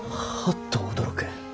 はっと驚く。